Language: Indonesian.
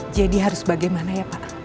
jadi harus bagaimana ya pak